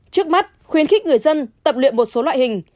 trước mắt khuyến khích người dân tập luyện một số loại hình